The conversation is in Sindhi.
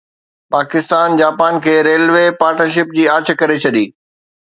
پاڪستان جاپان کي ريلوي پارٽنرشپ جي آڇ ڪري ڇڏي